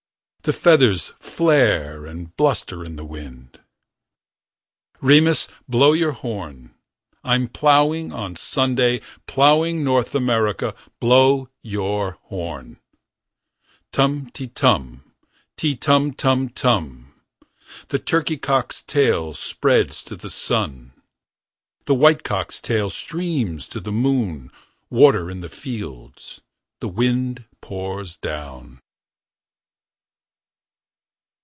The feathers flare And bluster in the wind. Remus, blow your horn ! I'm ploughing on Sunday, Ploughing North America. Blow your horn! Tum ti tum, Ti tum turn turn ! The turkey cock's tail Spreads to the sun. The white cock's tail Streams to the moon. Water in the fields. The wind pours down.